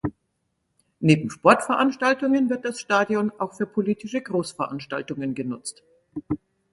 Neben Sportveranstaltungen wird das Stadion auch für politische Großveranstaltungen genutzt.